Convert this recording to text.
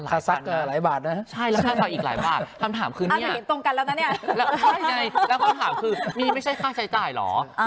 ถ้าซักเกินหลายบาทนะฮะใช่แล้วถ้าซักอีกหลายบาทคำถามคือเนี่ยแล้วคำถามคือนี่ไม่ใช่ค่าใช้จ่ายเหรอ